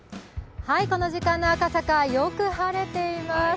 この時間の赤坂、よく晴れています。